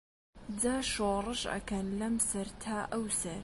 جا شۆڕش ئەکەن لەم سەر تا ئەوسەر